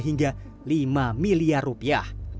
hingga lima miliar rupiah